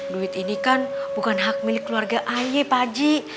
duit ini kan bukan hak milik keluarga ayah pak haji